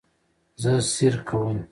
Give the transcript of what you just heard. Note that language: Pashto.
زه سیر کوم